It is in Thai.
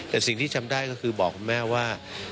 แต่สิ่งที่ทำได้ก็คือบอกคุณแม่ว่า